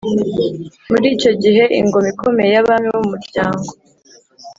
muri icyo gihe ingoma ikomeye y’abami bo mu muryango